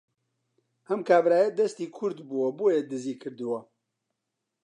ئەم کابرایە دەستی کورت بووە بۆیە دزی کردووە